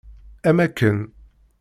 Am akken!